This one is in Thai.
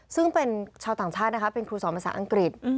ซึ่งเป็นชาวต่างชาตินะคะเป็นครูสอนภาษาอังกฤษ